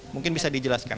mungkin bisa dijelaskan